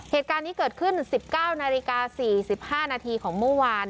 เหตุการณ์นี้เกิดขึ้น๑๙นาฬิกา๔๕นาทีของเมื่อวาน